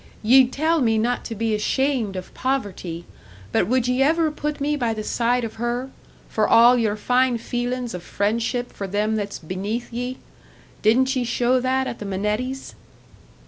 Ye'd tell me not to be ashamed of poverty; but would ye ever put me by the side of her for all your fine feelin's of friendship for them that's beneath ye? Didn't ye show that at the Minettis'?"